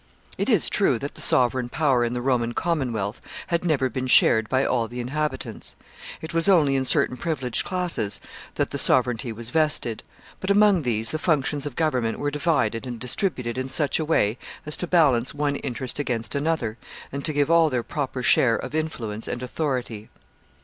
It is true that the sovereign power in the Roman commonwealth had never been shared by all the inhabitants. It was only in certain privileged classes that the sovereignty was vested; but among these the functions of government were divided and distributed in such a way as to balance one interest against another, and to give all their proper share of influence and authority.